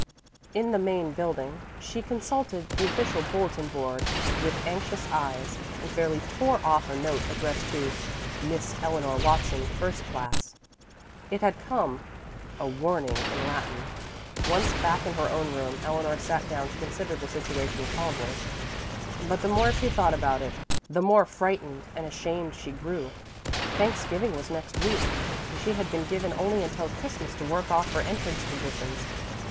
In the main building she consulted the official bulletin board with anxious eyes, and fairly tore off a note addressed to "Miss Eleanor Watson, First Class." It had come a "warning" in Latin. Once back in her own room, Eleanor sat down to consider the situation calmly. But the more she thought about it, the more frightened and ashamed she grew. Thanksgiving was next week, and she had been given only until Christmas to work off her entrance conditions.